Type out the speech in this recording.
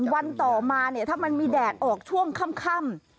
วันต่อมาเนี่ยถ้ามันมีแดดออกช่วงค่ำ